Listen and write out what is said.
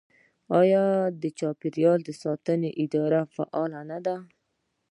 آیا د چاپیریال ساتنې اداره فعاله نه ده؟